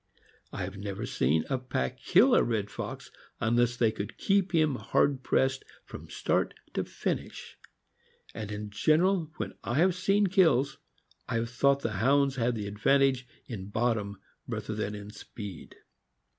I have never seen a pack kill a red fox unless they could keep him hard pressed from start to finish; and in general, when I have seen kills, I have thought the Hounds had the advantage in bottom rather than in speed.